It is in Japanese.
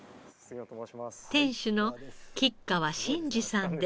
店主の吉川真嗣さんです。